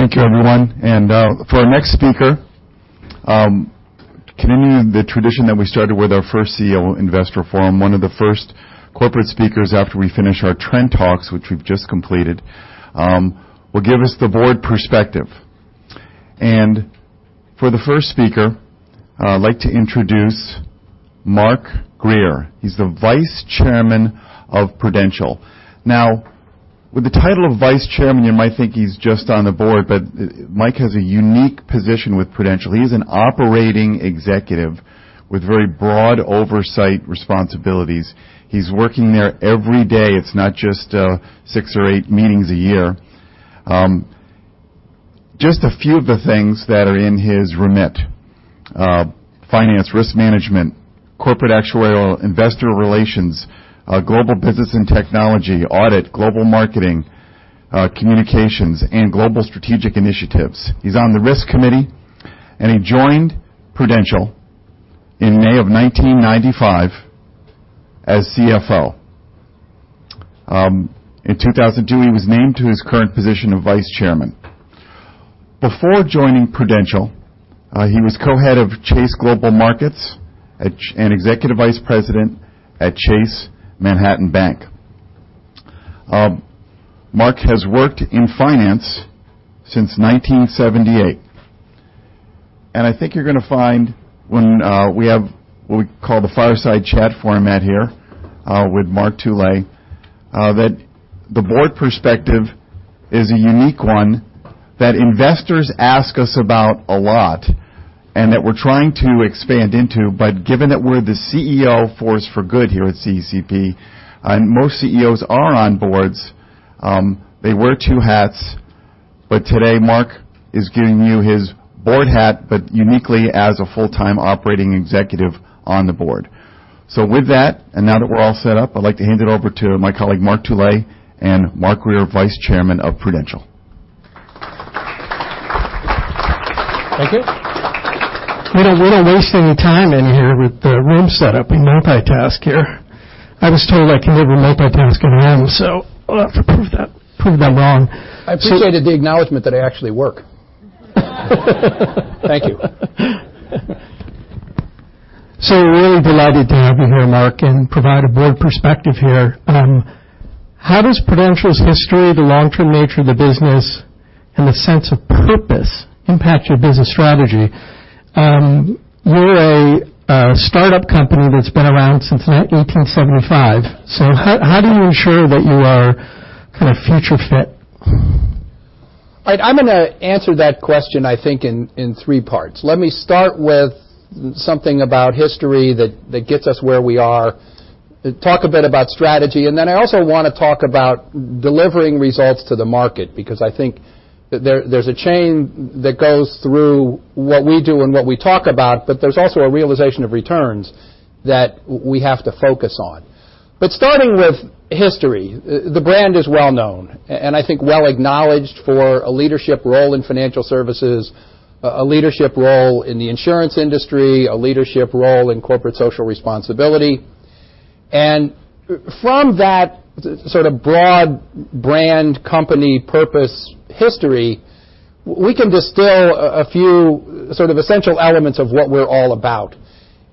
Thank you, everyone. For our next speaker, continuing the tradition that we started with our first CEO Investor Forum, one of the first corporate speakers after we finish our trend talks, which we've just completed, will give us the board perspective. For the first speaker, I'd like to introduce Mark Grier. He's the Vice Chairman of Prudential. With the title of vice chairman, you might think he's just on the board, but Mark has a unique position with Prudential. He is an operating executive with very broad oversight responsibilities. He's working there every day. It's not just six or eight meetings a year. Just a few of the things that are in his remit, finance, risk management, corporate actuarial, investor relations, global business and technology, audit, global marketing, communications, and global strategic initiatives. He's on the risk committee. He joined Prudential in May of 1995 as CFO. In 2002, he was named to his current position of Vice Chairman. Before joining Prudential, he was co-head of Chase Global Markets and executive vice president at Chase Manhattan Bank. Mark has worked in finance since 1978. I think you're going to find when we have what we call the fireside chat format here with Mark Tulay, that the board perspective is a unique one that investors ask us about a lot and that we're trying to expand into. Given that we're the CEO Force for Good here at CECP, and most CEOs are on boards, they wear two hats. Today, Mark is giving you his board hat, but uniquely as a full-time operating executive on the board. With that, now that we're all set up, I'd like to hand it over to my colleague, Mark Tulay and Mark Grier, Vice Chairman of Prudential. Thank you. We don't waste any time in here with the room setup. We multitask here. I was told I can never multitask again, so I'll have to prove them wrong. I appreciated the acknowledgment that I actually work. Thank you. Really delighted to have you here, Mark, and provide a board perspective here. How does Prudential's history, the long-term nature of the business, and the sense of purpose impact your business strategy? You're a startup company that's been around since 1875. How do you ensure that you are kind of future fit? I'm going to answer that question, I think, in three parts. Let me start with something about history that gets us where we are, talk a bit about strategy, I also want to talk about delivering results to the market, because I think there's a chain that goes through what we do and what we talk about, there's also a realization of returns that we have to focus on. Starting with history, the brand is well known and I think well acknowledged for a leadership role in financial services, a leadership role in the insurance industry, a leadership role in corporate social responsibility. From that sort of broad brand company purpose history, we can distill a few sort of essential elements of what we're all about.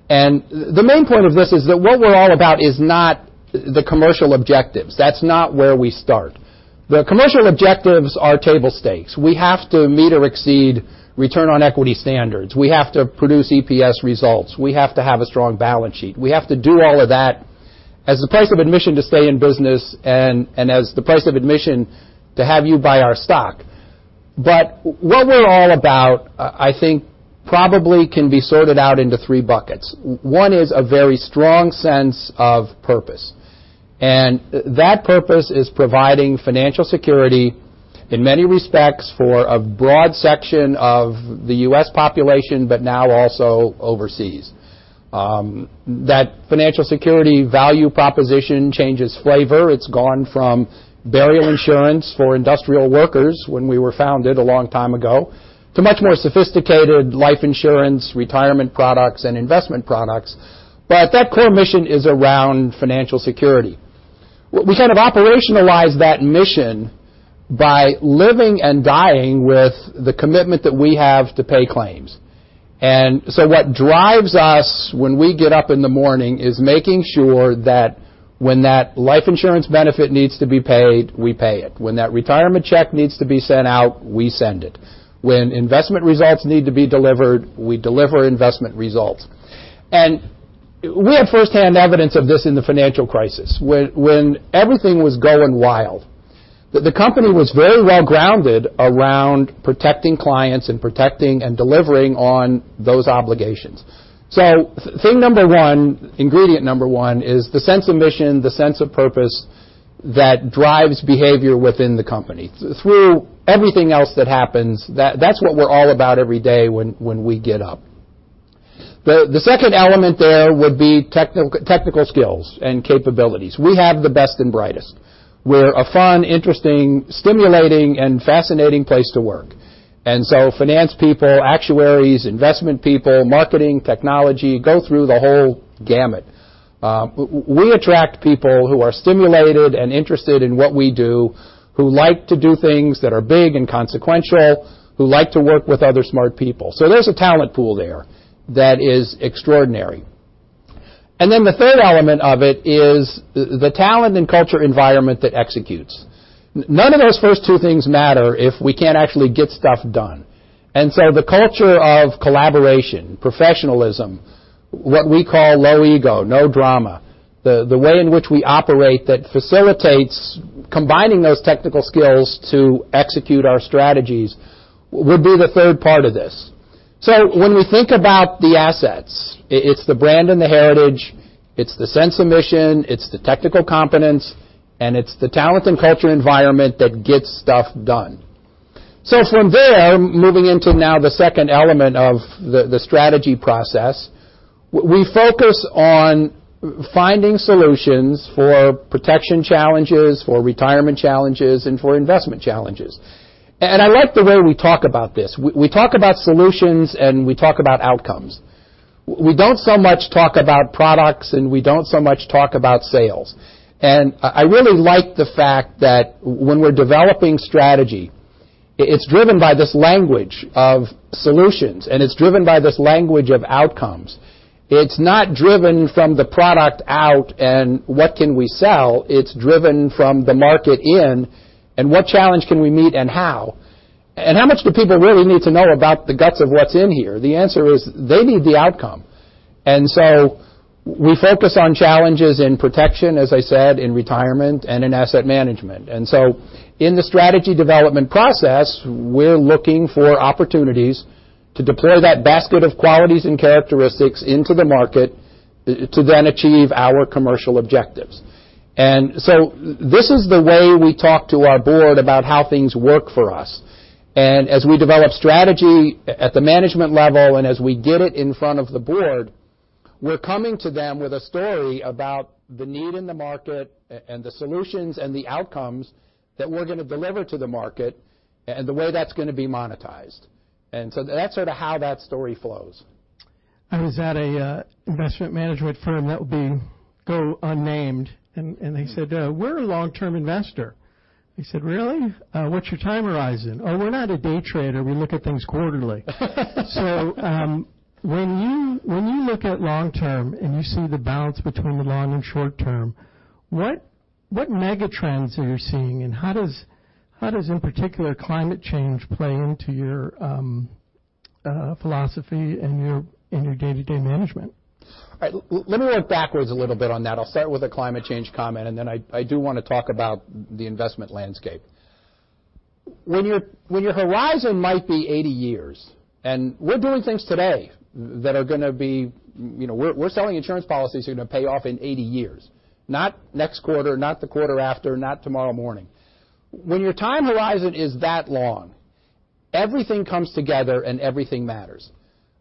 The main point of this is that what we're all about is not the commercial objectives. That's not where we start. The commercial objectives are table stakes. We have to meet or exceed return on equity standards. We have to produce EPS results. We have to have a strong balance sheet. We have to do all of that as the price of admission to stay in business and as the price of admission to have you buy our stock. What we're all about, I think, probably can be sorted out into three buckets. One is a very strong sense of purpose, and that purpose is providing financial security in many respects for a broad section of the U.S. population, now also overseas. That financial security value proposition changes flavor. It's gone from burial insurance for industrial workers when we were founded a long time ago to much more sophisticated life insurance, retirement products, and investment products. That core mission is around financial security. We kind of operationalize that mission by living and dying with the commitment that we have to pay claims. What drives us when we get up in the morning is making sure that when that life insurance benefit needs to be paid, we pay it. When that retirement check needs to be sent out, we send it. When investment results need to be delivered, we deliver investment results. We had firsthand evidence of this in the financial crisis. When everything was going wild, the company was very well-grounded around protecting clients and protecting and delivering on those obligations. Thing number 1, ingredient number 1 is the sense of mission, the sense of purpose that drives behavior within the company. Through everything else that happens, that's what we're all about every day when we get up. The second element there would be technical skills and capabilities. We have the best and brightest. We're a fun, interesting, stimulating, and fascinating place to work. Finance people, actuaries, investment people, marketing, technology go through the whole gamut. We attract people who are stimulated and interested in what we do, who like to do things that are big and consequential, who like to work with other smart people. There's a talent pool there that is extraordinary. The third element of it is the talent and culture environment that executes. None of those first two things matter if we can't actually get stuff done. The culture of collaboration, professionalism, what we call low ego, no drama, the way in which we operate that facilitates combining those technical skills to execute our strategies would be the third part of this. When we think about the assets, it's the brand and the heritage, it's the sense of mission, it's the technical competence, and it's the talent and culture environment that gets stuff done. From there, moving into now the second element of the strategy process, we focus on finding solutions for protection challenges, for retirement challenges, and for investment challenges. I like the way we talk about this. We talk about solutions, and we talk about outcomes. We don't so much talk about products, and we don't so much talk about sales. I really like the fact that when we're developing strategy, it's driven by this language of solutions, and it's driven by this language of outcomes. It's not driven from the product out and what can we sell. It's driven from the market in and what challenge can we meet and how. How much do people really need to know about the guts of what's in here? The answer is they need the outcome. We focus on challenges in protection, as I said, in retirement and in asset management. In the strategy development process, we're looking for opportunities to deploy that basket of qualities and characteristics into the market to then achieve our commercial objectives. This is the way we talk to our board about how things work for us. As we develop strategy at the management level, and as we get it in front of the board, we're coming to them with a story about the need in the market and the solutions and the outcomes that we're going to deliver to the market and the way that's going to be monetized. That's sort of how that story flows. I was at an investment management firm that will go unnamed. They said, "We're a long-term investor." I said, "Really? What's your time horizon?" "Oh, we're not a day trader. We look at things quarterly." When you look at long term and you see the balance between the long and short term, what mega trends are you seeing, and how does, in particular, climate change play into your philosophy and your day-to-day management? Let me work backwards a little bit on that. I'll start with a climate change comment, and then I do want to talk about the investment landscape. When your horizon might be 80 years, and we're doing things today. We're selling insurance policies that are going to pay off in 80 years, not next quarter, not the quarter after, not tomorrow morning. When your time horizon is that long, everything comes together and everything matters.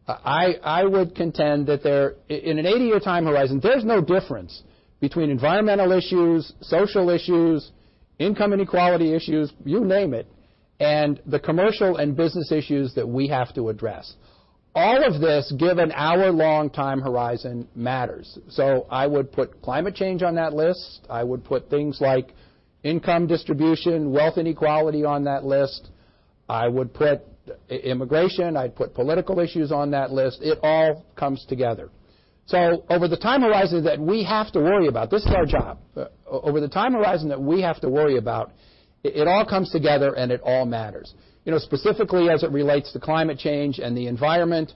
I would contend that in an 80-year time horizon, there's no difference between environmental issues, social issues, income inequality issues, you name it, and the commercial and business issues that we have to address. All of this, given our long time horizon, matters. I would put climate change on that list. I would put things like income distribution, wealth inequality on that list. I would put immigration, I'd put political issues on that list. It all comes together. Over the time horizon that we have to worry about, this is our job. Over the time horizon that we have to worry about, it all comes together and it all matters. Specifically as it relates to climate change and the environment,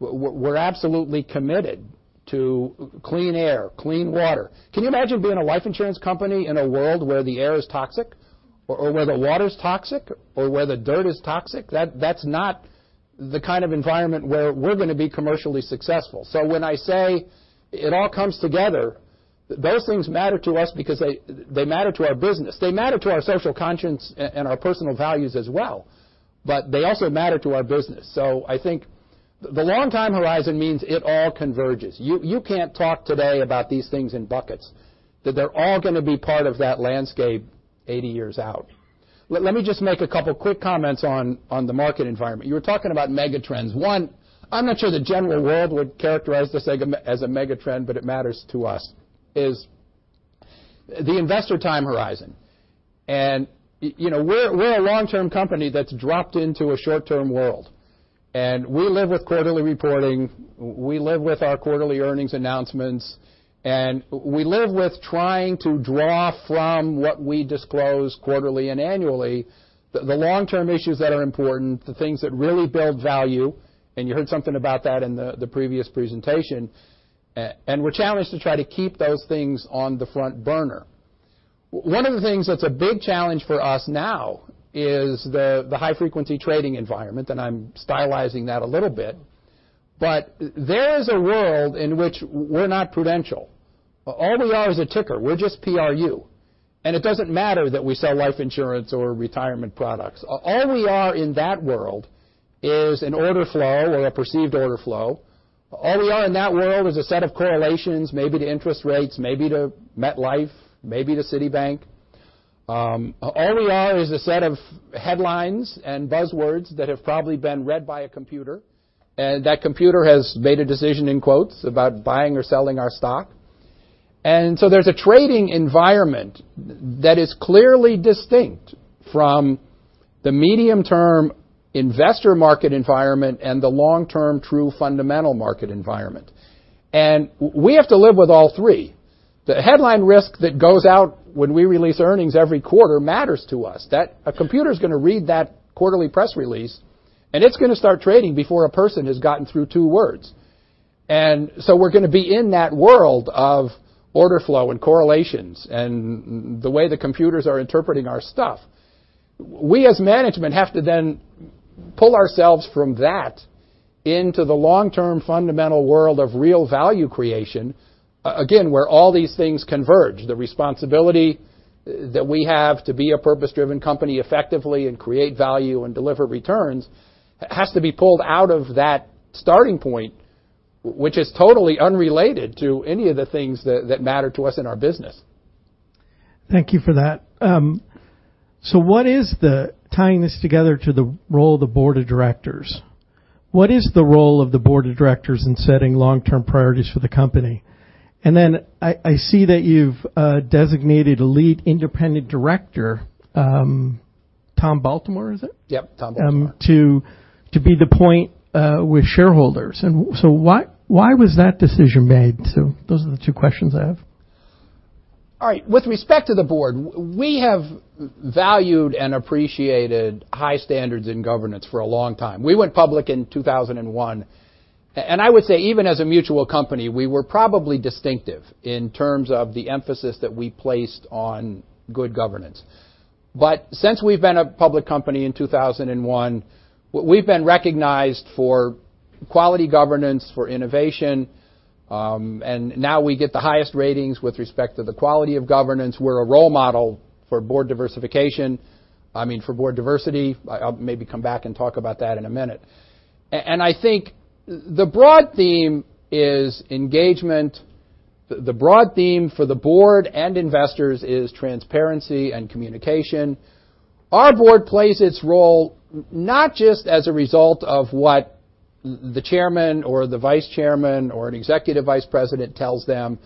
we're absolutely committed to clean air, clean water. Can you imagine being a life insurance company in a world where the air is toxic or where the water's toxic or where the dirt is toxic? That's not the kind of environment where we're going to be commercially successful. When I say it all comes together, those things matter to us because they matter to our business. They matter to our social conscience and our personal values as well. They also matter to our business. I think the long time horizon means it all converges. You can't talk today about these things in buckets, that they're all going to be part of that landscape 80 years out. Let me just make a couple of quick comments on the market environment. You were talking about mega trends. One, I'm not sure the general world would characterize this as a mega trend, but it matters to us, is the investor time horizon. We're a long-term company that's dropped into a short-term world. We live with quarterly reporting, we live with our quarterly earnings announcements, and we live with trying to draw from what we disclose quarterly and annually, the long-term issues that are important, the things that really build value, and you heard something about that in the previous presentation, and we're challenged to try to keep those things on the front burner. One of the things that's a big challenge for us now is the high-frequency trading environment. I'm stylizing that a little bit. There is a world in which we're not Prudential. All we are is a ticker. We're just PRU. It doesn't matter that we sell life insurance or retirement products. All we are in that world is an order flow or a perceived order flow. All we are in that world is a set of correlations, maybe to interest rates, maybe to MetLife, maybe to Citibank. All we are is a set of headlines and buzzwords that have probably been read by a computer, and that computer has made a decision, in quotes, about buying or selling our stock. There's a trading environment that is clearly distinct from the medium-term investor market environment and the long-term true fundamental market environment. We have to live with all three. The headline risk that goes out when we release earnings every quarter matters to us. A computer is going to read that quarterly press release, and it's going to start trading before a person has gotten through two words. We're going to be in that world of order flow and correlations and the way the computers are interpreting our stuff. We, as management, have to then pull ourselves from that into the long-term fundamental world of real value creation, again, where all these things converge. The responsibility that we have to be a purpose-driven company effectively and create value and deliver returns has to be pulled out of that starting point, which is totally unrelated to any of the things that matter to us in our business. Thank you for that. Tying this together to the role of the board of directors, what is the role of the board of directors in setting long-term priorities for the company? I see that you've designated a lead independent director, Tom Baltimore, is it? Yep, Tom Baltimore. To be the point with shareholders. Why was that decision made? Those are the two questions I have. All right. With respect to the board, we have valued and appreciated high standards in governance for a long time. We went public in 2001, I would say even as a mutual company, we were probably distinctive in terms of the emphasis that we placed on good governance. Since we've been a public company in 2001, we've been recognized for quality governance, for innovation, now we get the highest ratings with respect to the quality of governance. We're a role model for board diversification. I mean, for board diversity. I'll maybe come back and talk about that in a minute. I think the broad theme is engagement. The broad theme for the board and investors is transparency and communication. Our board plays its role not just as a result of what the chairman or the vice chairman or an executive vice president tells them.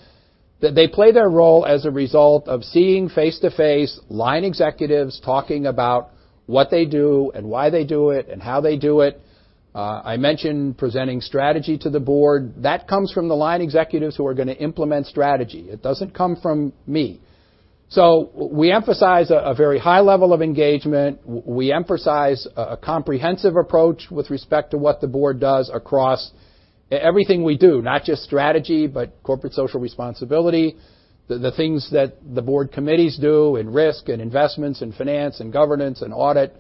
They play their role as a result of seeing face-to-face line executives talking about what they do and why they do it, and how they do it. I mentioned presenting strategy to the board. That comes from the line executives who are going to implement strategy. It doesn't come from me. We emphasize a very high level of engagement. We emphasize a comprehensive approach with respect to what the board does across everything we do, not just strategy, but corporate social responsibility, the things that the board committees do in risk and investments and finance and governance and audit,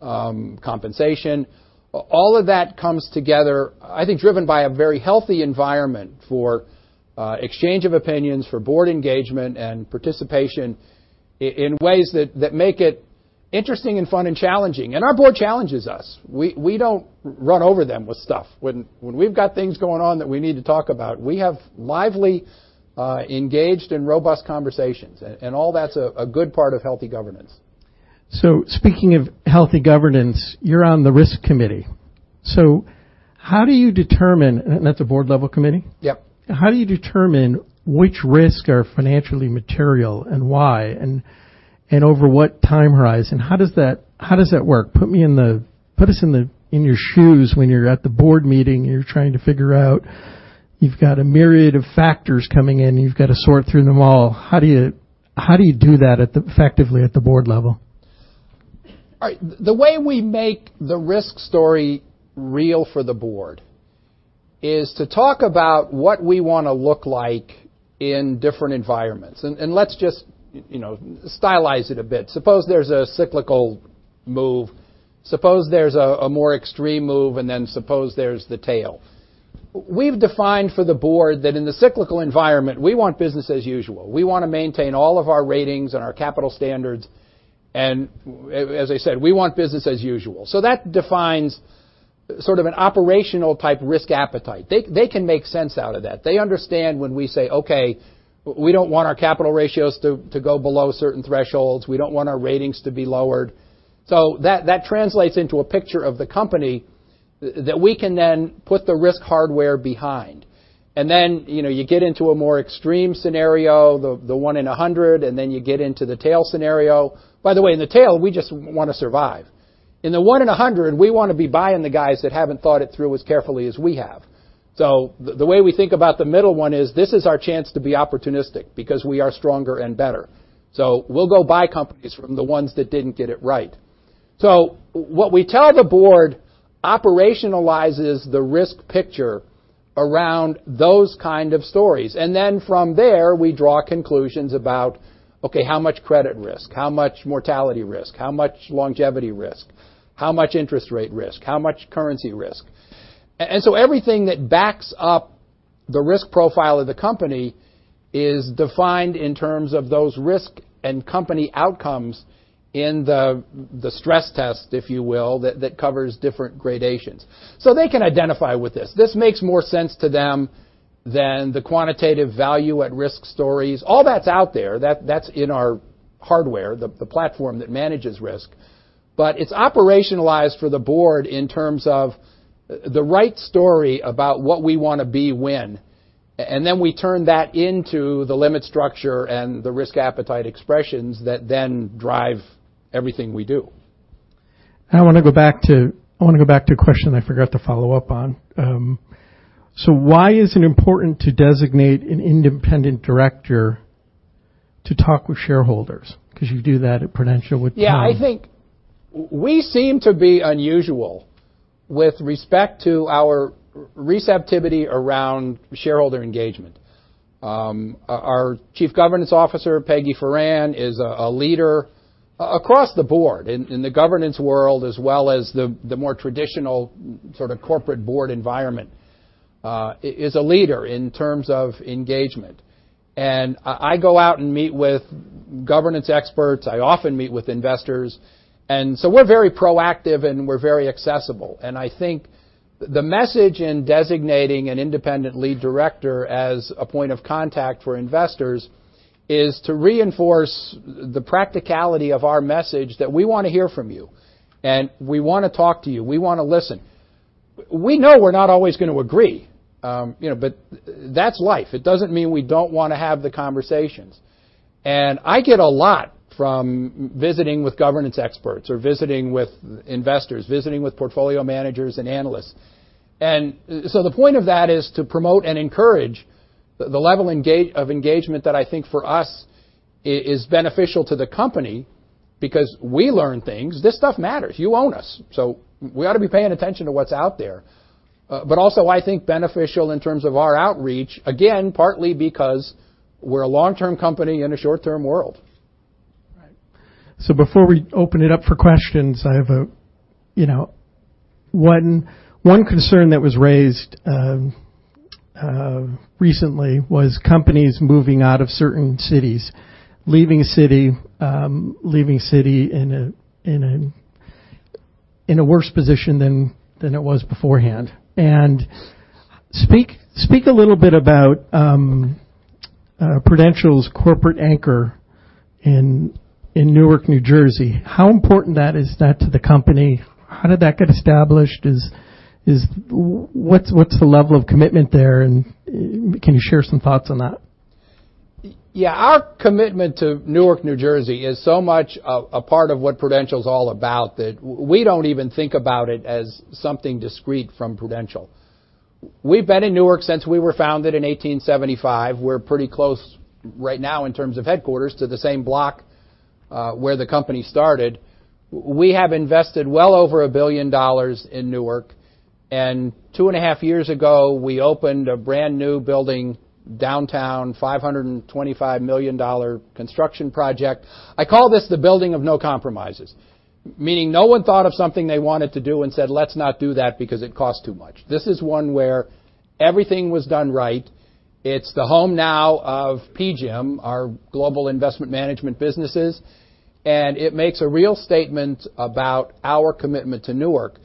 compensation. All of that comes together, I think, driven by a very healthy environment for exchange of opinions, for board engagement and participation in ways that make it interesting and fun and challenging. Our board challenges us. We don't run over them with stuff. When we've got things going on that we need to talk about, we have lively, engaged, and robust conversations, all that's a good part of healthy governance. Speaking of healthy governance, you're on the risk committee. How do you determine, and that's a board-level committee? Yep. How do you determine which risks are financially material and why, and over what time horizon? How does that work? Put us in your shoes when you're at the board meeting, and you're trying to figure out, you've got a myriad of factors coming in, you've got to sort through them all. How do you do that effectively at the board level? All right. The way we make the risk story real for the board is to talk about what we want to look like in different environments, and let's just stylize it a bit. Suppose there's a cyclical move, suppose there's a more extreme move, and then suppose there's the tail. We've defined for the board that in the cyclical environment, we want business as usual. We want to maintain all of our ratings and our capital standards. As I said, we want business as usual. That defines sort of an operational type risk appetite. They can make sense out of that. They understand when we say, "Okay, we don't want our capital ratios to go below certain thresholds. We don't want our ratings to be lowered." That translates into a picture of the company that we can then put the risk hardware behind. You get into a more extreme scenario, the one in 100, and then you get into the tail scenario. By the way, in the tail, we just want to survive. In the one in 100, we want to be buying the guys that haven't thought it through as carefully as we have. The way we think about the middle one is this is our chance to be opportunistic because we are stronger and better. We'll go buy companies from the ones that didn't get it right. What we tell the board operationalizes the risk picture around those kind of stories. From there, we draw conclusions about, okay, how much credit risk? How much mortality risk? How much longevity risk? How much interest rate risk? How much currency risk? Everything that backs up the risk profile of the company is defined in terms of those risk and company outcomes in the stress test, if you will, that covers different gradations. They can identify with this. This makes more sense to them than the quantitative Value at Risk stories. All that's out there, that's in our hardware, the platform that manages risk. It's operationalized for the board in terms of the right story about what we want to be when. We turn that into the limit structure and the risk appetite expressions that then drive everything we do. I want to go back to a question I forgot to follow up on. Why is it important to designate an independent director to talk with shareholders? Because you do that at Prudential with Tom. I think we seem to be unusual with respect to our receptivity around shareholder engagement. Our Chief Governance Officer, Peggy Foran, is a leader across the board in the governance world as well as the more traditional sort of corporate board environment, is a leader in terms of engagement. I go out and meet with governance experts, I often meet with investors, we're very proactive and we're very accessible. I think the message in designating an independent Lead Director as a point of contact for investors is to reinforce the practicality of our message that we want to hear from you, and we want to talk to you. We want to listen. We know we're not always going to agree, but that's life. It doesn't mean we don't want to have the conversations. I get a lot from visiting with governance experts or visiting with investors, visiting with portfolio managers and analysts. The point of that is to promote and encourage the level of engagement that I think for us is beneficial to the company because we learn things. This stuff matters. You own us, we ought to be paying attention to what's out there. I think beneficial in terms of our outreach, again, partly because we're a long-term company in a short-term world. Right. Before we open it up for questions, I have one concern that was raised recently was companies moving out of certain cities, leaving a city in a worse position than it was beforehand. Speak a little bit about Prudential's corporate anchor in Newark, New Jersey. How important is that to the company? How did that get established? What's the level of commitment there, and can you share some thoughts on that? Yeah. Our commitment to Newark, New Jersey, is so much a part of what Prudential's all about that we don't even think about it as something discrete from Prudential. We've been in Newark since we were founded in 1875. We're pretty close right now in terms of headquarters to the same block where the company started. We have invested well over $1 billion in Newark. Two and a half years ago, we opened a brand-new building downtown, a $525 million construction project. I call this the building of no compromises, meaning no one thought of something they wanted to do and said, "Let's not do that because it costs too much." This is one where everything was done right. It's the home now of PGIM, our global investment management businesses, and it makes a real statement about our commitment to Newark.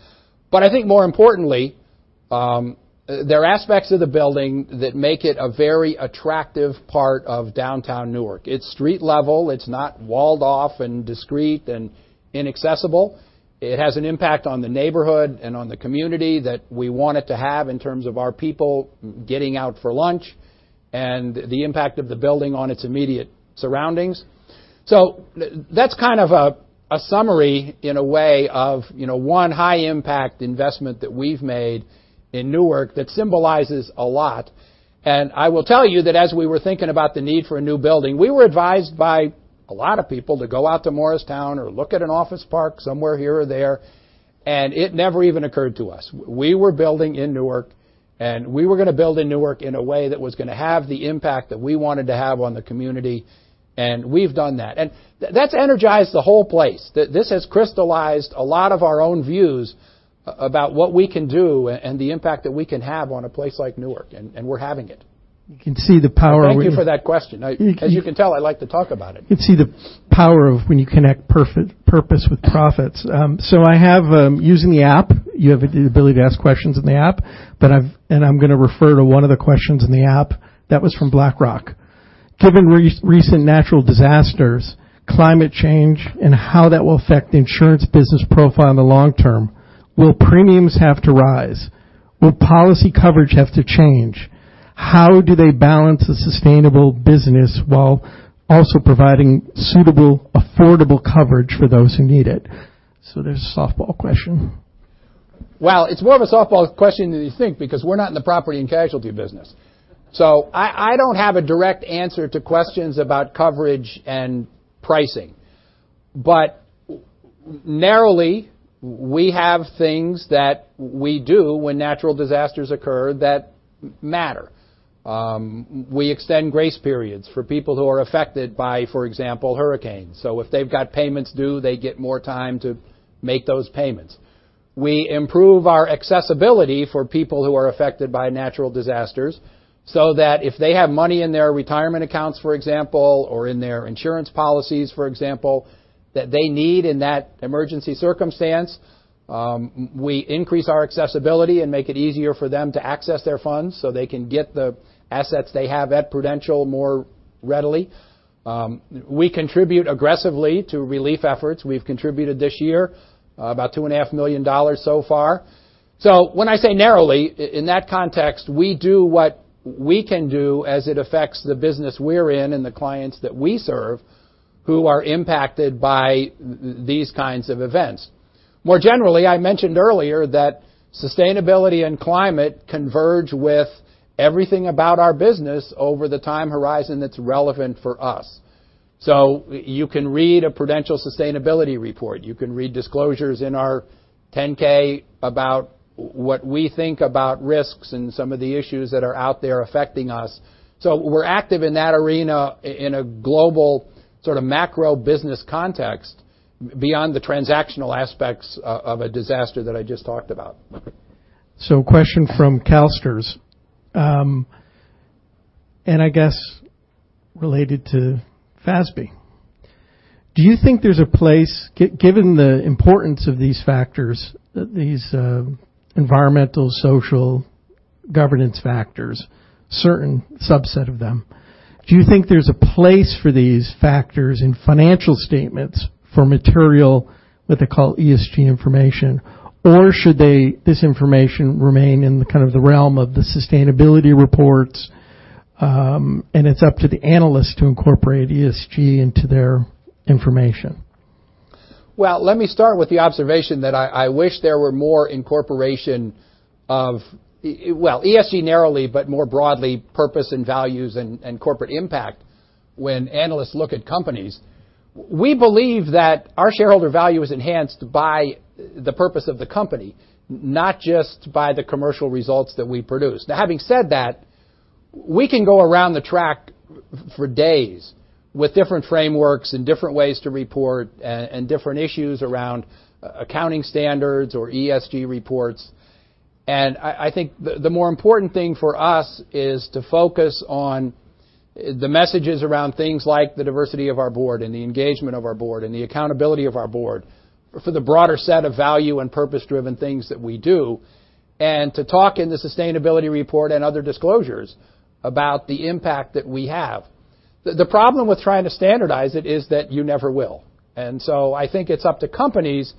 I think more importantly, there are aspects of the building that make it a very attractive part of downtown Newark. It's street level. It's not walled off and discreet and inaccessible. It has an impact on the neighborhood and on the community that we want it to have in terms of our people getting out for lunch and the impact of the building on its immediate surroundings. That's kind of a summary in a way of one high-impact investment that we've made in Newark that symbolizes a lot. I will tell you that as we were thinking about the need for a new building, we were advised by a lot of people to go out to Morristown or look at an office park somewhere here or there, and it never even occurred to us. We were building in Newark, and we were going to build in Newark in a way that was going to have the impact that we wanted to have on the community, and we've done that. That's energized the whole place. This has crystallized a lot of our own views about what we can do and the impact that we can have on a place like Newark, and we're having it. You can see the power of- Thank you for that question. As you can tell, I like to talk about it. You can see the power of when you connect purpose with profits. I have, using the app, you have the ability to ask questions in the app, and I'm going to refer to one of the questions in the app that was from BlackRock. Given recent natural disasters, climate change, and how that will affect the insurance business profile in the long term, will premiums have to rise? Will policy coverage have to change? How do they balance a sustainable business while also providing suitable, affordable coverage for those who need it? There's a softball question. Well, it's more of a softball question than you think because we're not in the property and casualty business. I don't have a direct answer to questions about coverage and pricing. Narrowly, we have things that we do when natural disasters occur that matter. We extend grace periods for people who are affected by, for example, hurricanes. If they've got payments due, they get more time to make those payments. We improve our accessibility for people who are affected by natural disasters, so that if they have money in their retirement accounts, for example, or in their insurance policies, for example, that they need in that emergency circumstance, we increase our accessibility and make it easier for them to access their funds so they can get the assets they have at Prudential more readily. We contribute aggressively to relief efforts. We've contributed this year about two and a half million dollars so far. When I say narrowly, in that context, we do what we can do as it affects the business we're in and the clients that we serve who are impacted by these kinds of events. More generally, I mentioned earlier that sustainability and climate converge with everything about our business over the time horizon that's relevant for us. You can read a Prudential sustainability report. You can read disclosures in our 10-K about what we think about risks and some of the issues that are out there affecting us. We're active in that arena in a global macro business context beyond the transactional aspects of a disaster that I just talked about. Question from CalSTRS, and I guess related to FASB. Given the importance of these factors, these environmental, social, governance factors, certain subset of them, do you think there's a place for these factors in financial statements for material, what they call ESG information, or should this information remain in the kind of the realm of the sustainability reports, and it's up to the analyst to incorporate ESG into their information? Well, let me start with the observation that I wish there were more incorporation of, well, ESG narrowly, but more broadly, purpose and values and corporate impact when analysts look at companies. We believe that our shareholder value is enhanced by the purpose of the company, not just by the commercial results that we produce. Now, having said that, we can go around the track for days with different frameworks and different ways to report and different issues around accounting standards or ESG reports. I think the more important thing for us is to focus on the messages around things like the diversity of our board and the engagement of our board and the accountability of our board for the broader set of value and purpose-driven things that we do, and to talk in the sustainability report and other disclosures about the impact that we have. The problem with trying to standardize it is that you never will. I think it's up to companies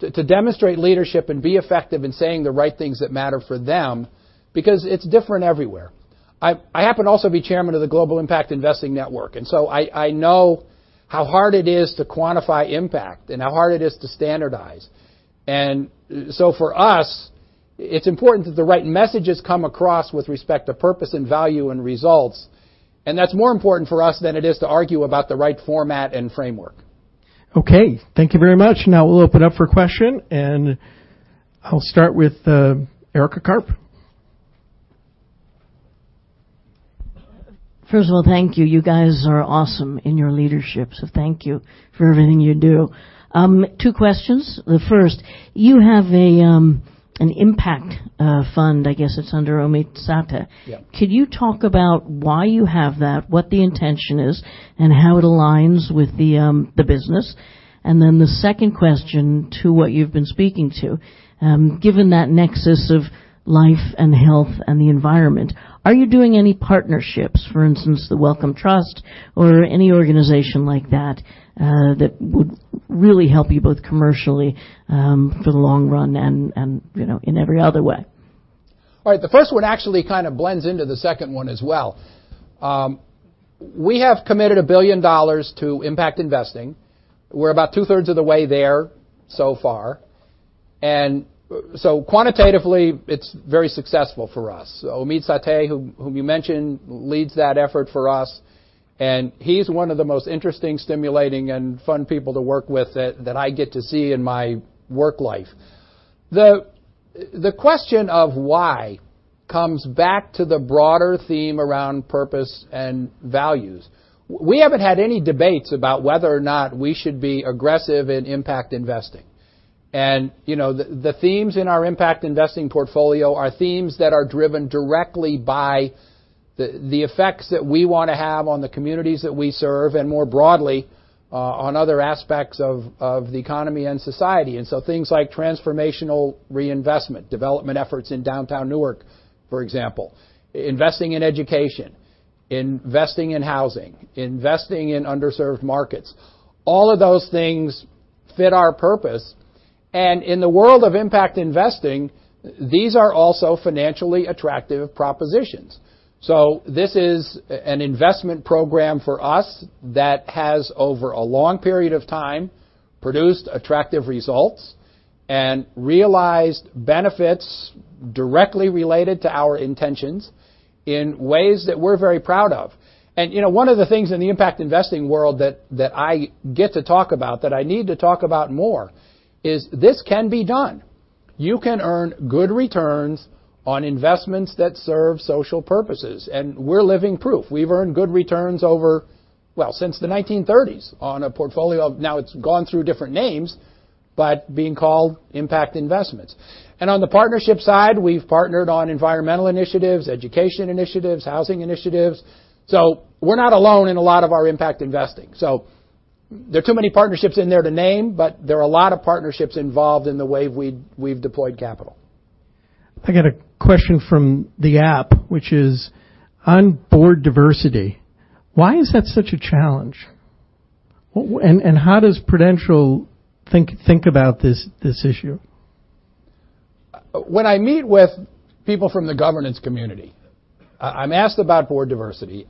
to demonstrate leadership and be effective in saying the right things that matter for them, because it's different everywhere. I happen to also be chairman of the Global Impact Investing Network, I know how hard it is to quantify impact and how hard it is to standardize. For us, it's important that the right messages come across with respect to purpose and value and results. That's more important for us than it is to argue about the right format and framework. Okay, thank you very much. We'll open up for question. I'll start with Erika Karp. First of all, thank you. You guys are awesome in your leadership, thank you for everything you do. Two questions. The first, you have an impact fund, I guess it's under Ommeed Sathe. Yeah. Could you talk about why you have that, what the intention is, and how it aligns with the business? The second question to what you've been speaking to, given that nexus of life and health and the environment, are you doing any partnerships, for instance, the Wellcome Trust or any organization like that would really help you both commercially, for the long run and in every other way? All right. The first one actually kind of blends into the second one as well. We have committed $1 billion to impact investing. We're about two-thirds of the way there so far. Quantitatively, it's very successful for us. Ommeed Sathe, whom you mentioned, leads that effort for us, and he's one of the most interesting, stimulating and fun people to work with that I get to see in my work life. The question of why comes back to the broader theme around purpose and values. We haven't had any debates about whether or not we should be aggressive in impact investing. The themes in our impact investing portfolio are themes that are driven directly by the effects that we want to have on the communities that we serve, and more broadly, on other aspects of the economy and society. Things like transformational reinvestment, development efforts in downtown Newark, for example, investing in education, investing in housing, investing in underserved markets. All of those things fit our purpose. In the world of impact investing, these are also financially attractive propositions. This is an investment program for us that has, over a long period of time, produced attractive results and realized benefits directly related to our intentions in ways that we're very proud of. One of the things in the impact investing world that I get to talk about, that I need to talk about more is this can be done. You can earn good returns on investments that serve social purposes, and we're living proof. We've earned good returns over, well, since the 1930s on a portfolio. Now it's gone through different names, but being called impact investments. On the partnership side, we've partnered on environmental initiatives, education initiatives, housing initiatives. We're not alone in a lot of our impact investing. There are too many partnerships in there to name, but there are a lot of partnerships involved in the way we've deployed capital. I got a question from the app, which is on board diversity, why is that such a challenge? How does Prudential think about this issue? When I meet with people from the governance community, I'm asked about board diversity,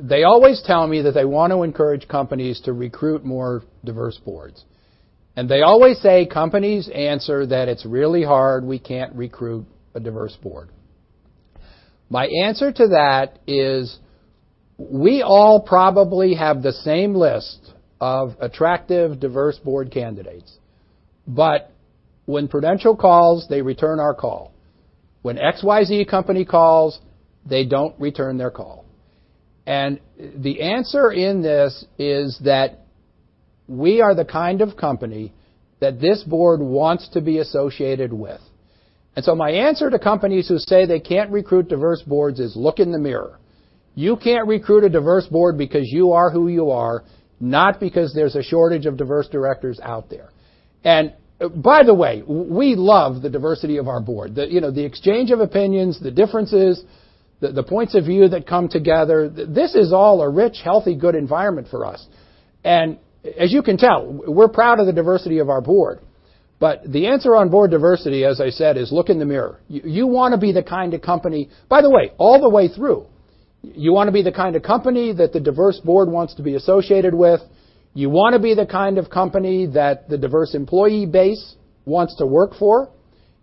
they always tell me that they want to encourage companies to recruit more diverse boards. They always say companies answer that it's really hard, we can't recruit a diverse board. My answer to that is we all probably have the same list of attractive, diverse board candidates. When Prudential calls, they return our call. When XYZ company calls, they don't return their call. The answer in this is that we are the kind of company that this board wants to be associated with. My answer to companies who say they can't recruit diverse boards is look in the mirror. You can't recruit a diverse board because you are who you are, not because there's a shortage of diverse directors out there. By the way, we love the diversity of our board. The exchange of opinions, the differences,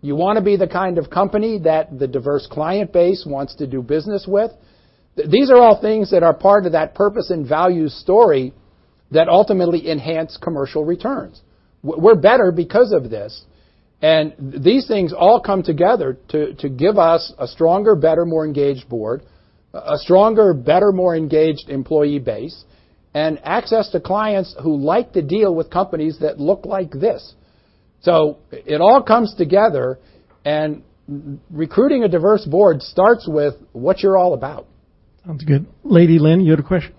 You want to be the kind of company that the diverse client base wants to do business with. These are all things that are part of that purpose and value story that ultimately enhance commercial returns. We're better because of this, and these things all come together to give us a stronger, better, more engaged board, a stronger, better, more engaged employee base, and access to clients who like to deal with companies that look like this. It all comes together, and recruiting a diverse board starts with what you're all about. Sounds good. Lady Lynn, you had a question?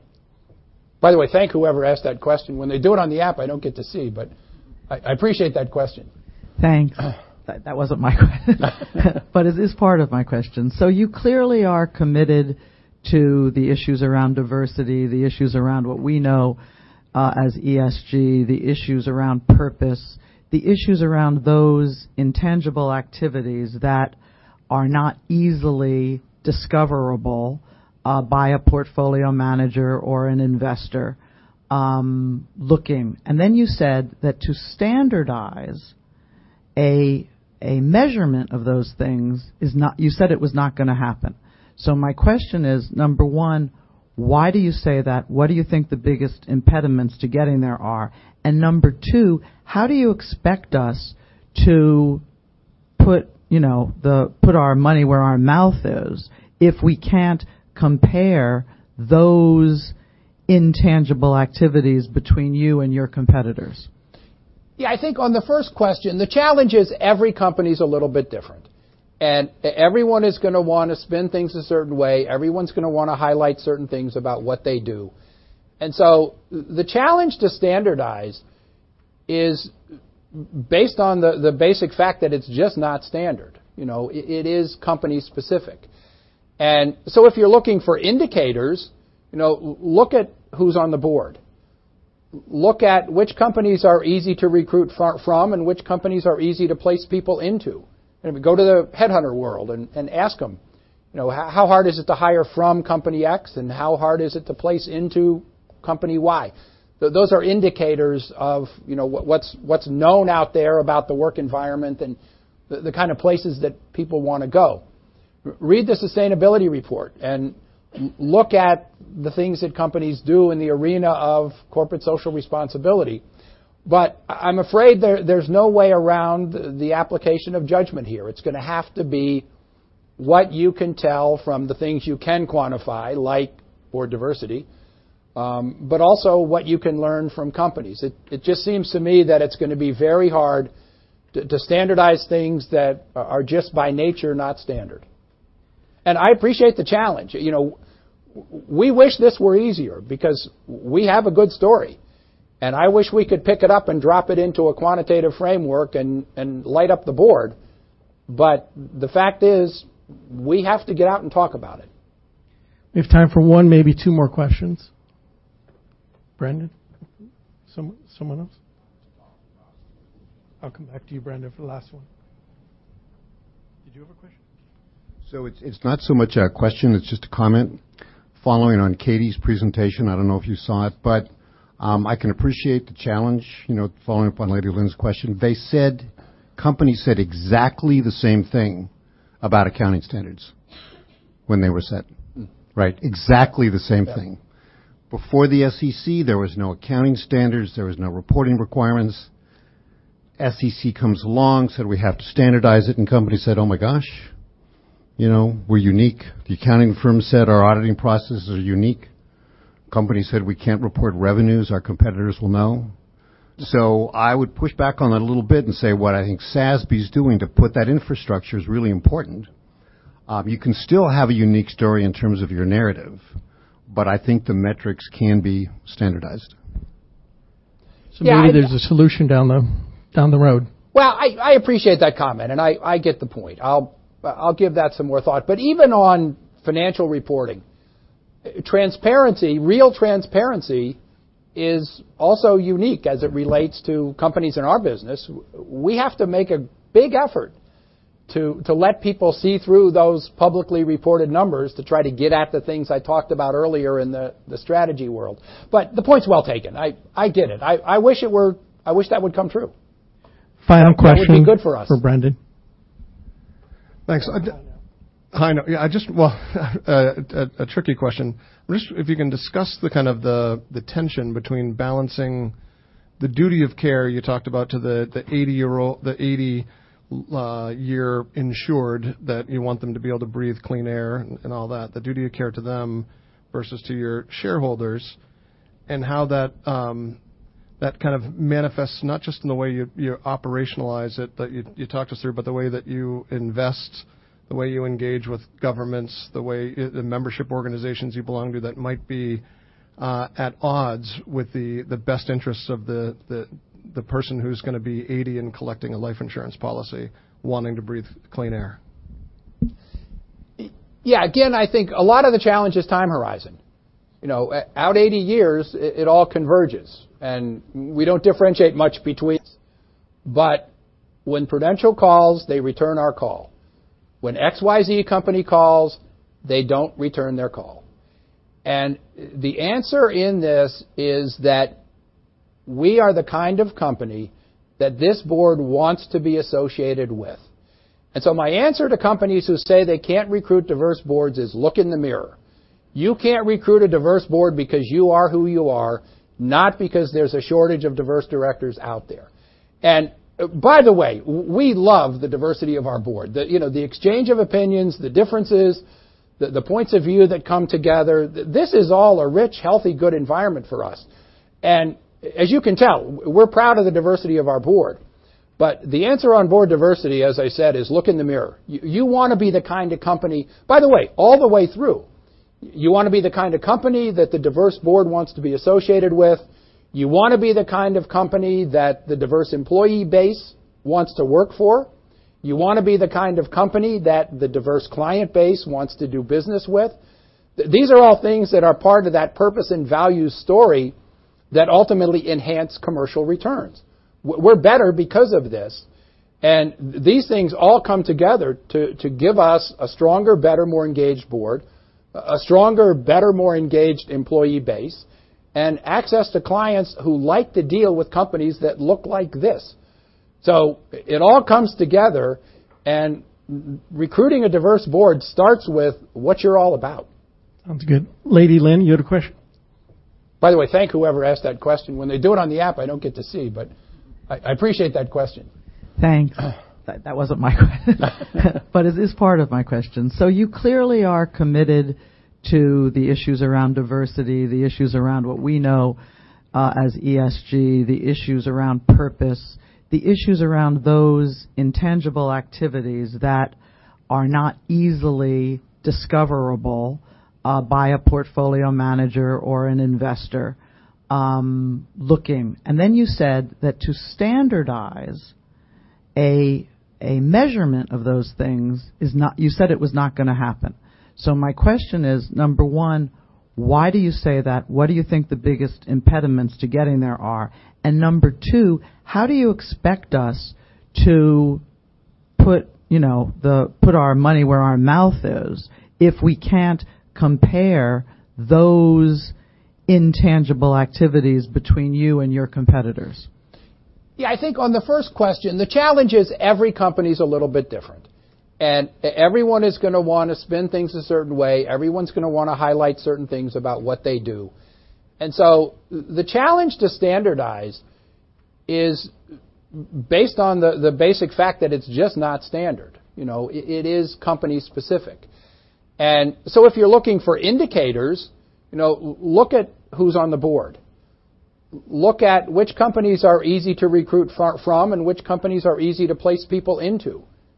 By the way, thank whoever asked that question. When they do it on the app, I don't get to see, but I appreciate that question. Thanks. That wasn't my question. It is part of my question. You clearly are committed to the issues around diversity, the issues around what we know, as ESG, the issues around purpose, the issues around those intangible activities that are not easily discoverable by a portfolio manager or an investor looking. Then you said that to standardize a measurement of those things, you said it was not going to happen. My question is, number 1, why do you say that? What do you think the biggest impediments to getting there are? And number 2, how do you expect us to put our money where our mouth is if we can't compare those intangible activities between you and your competitors? Yeah, I think on the first question, the challenge is every company's a little bit different, everyone is going to want to spin things a certain way. Everyone's going to want to highlight certain things about what they do. The challenge to standardize is based on the basic fact that it's just not standard. It is company specific. If you're looking for indicators, look at who's on the board. Look at which companies are easy to recruit from and which companies are easy to place people into. I'm afraid there's no way around the application of judgment here. It's going to have to be what you can tell from the things you can quantify, like board diversity, but also what you can learn from companies. It just seems to me that it's going to be very hard to standardize things that are just by nature not standard. I appreciate the challenge. We wish this were easier because we have a good story, and I wish we could pick it up and drop it into a quantitative framework and light up the board. The fact is, we have to get out and talk about it. We have time for one, maybe two more questions. Brandon? Someone else? I'll come back to you, Brandon, for the last one. Did you have a question? It's not so much a question, it's just a comment. Following on Katie's presentation, I don't know if you saw it. I can appreciate the challenge, following up on Lady Lynn's question. Companies said exactly the same thing about accounting standards when they were set. Right. Exactly the same thing. Yeah. Before the SEC, there was no accounting standards, there was no reporting requirements. SEC comes along, said we have to standardize it, and companies said, "Oh my gosh, we're unique." The accounting firm said, "Our auditing processes are unique." Companies said, "We can't report revenues, our competitors will know." I would push back on that a little bit and say what I think SASB's doing to put that infrastructure is really important. You can still have a unique story in terms of your narrative, but I think the metrics can be standardized. Yeah- Maybe there's a solution down the road. Well, I appreciate that comment. I get the point. I'll give that some more thought. Even on financial reporting, transparency, real transparency, is also unique as it relates to companies in our business. We have to make a big effort to let people see through those publicly reported numbers to try to get at the things I talked about earlier in the strategy world. The point's well taken. I get it. I wish that would come true. Final question. It would be good for us for Brandon. Thanks. I know. I know. Yeah, well, a tricky question. If you can discuss the kind of the tension between balancing the duty of care you talked about to the 80-year insured, that you want them to be able to breathe clean air and all that, the duty of care to them versus to your shareholders, and how that kind of manifests not just in the way you operationalize it, that you talked us through, but the way that you invest, the way you engage with governments, the membership organizations you belong to that might be at odds with the best interests of the person who's going to be 80 and collecting a life insurance policy wanting to breathe clean air. Yeah, again, I think a lot of the challenge is time horizon. Out 80 years, it all converges. We don't differentiate much between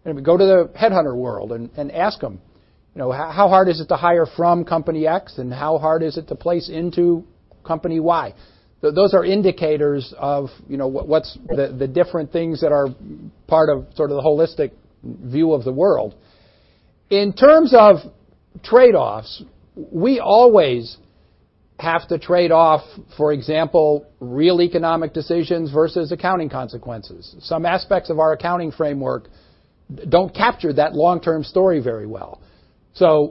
the different things that are part of sort of the holistic view of the world. In terms of trade-offs, we always have to trade off, for example, real economic decisions versus accounting consequences. Some aspects of our accounting framework don't capture that long-term story very well.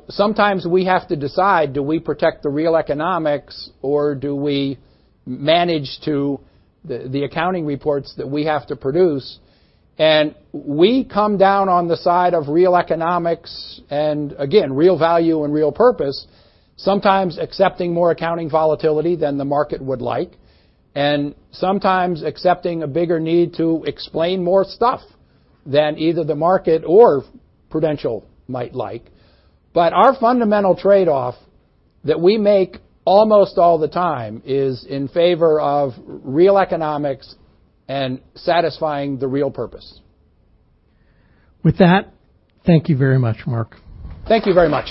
Sometimes we have to decide, do we protect the real economics or do we manage to the accounting reports that we have to produce? We come down on the side of real economics and, again, real value and real purpose, sometimes accepting more accounting volatility than the market would like, and sometimes accepting a bigger need to explain more stuff than either the market or Prudential might like. Our fundamental trade-off that we make almost all the time is in favor of real economics and satisfying the real purpose. With that, thank you very much, Mark. Thank you very much.